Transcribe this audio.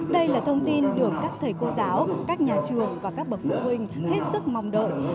đây là thông tin được các thầy cô giáo các nhà trường và các bậc phụ huynh hết sức mong đợi